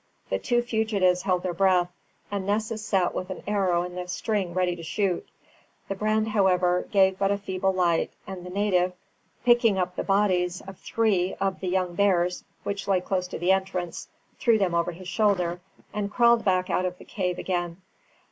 The two fugitives held their breath, and Nessus sat with an arrow in the string ready to shoot. The brand, however, gave but a feeble light, and the native, picking up the bodies of three of the young bears, which lay close to the entrance, threw them over his shoulder, and crawled back out of the cave again.